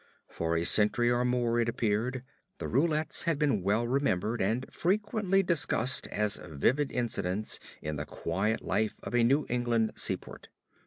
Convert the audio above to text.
For a century and more, it appeared, the Roulets had been well remembered and frequently discussed as vivid incidents in the quiet life of a New England seaport.